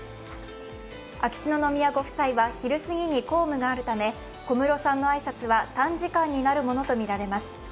秋篠宮ご夫妻は昼すぎに公務があるため、小室さんの挨拶は短時間になるものとみられます。